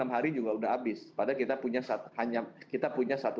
enam hari juga udah habis padahal kita punya